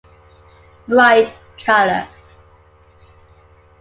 Bright color.